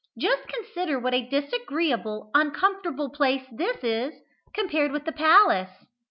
Just consider what a disagreeable, uncomfortable place this is, compared with the palace.